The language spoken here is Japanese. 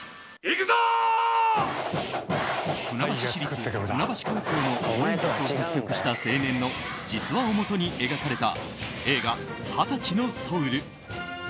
船橋市立船橋高校の応援曲を作曲した実話をもとに描かれた映画「２０歳のソウル」。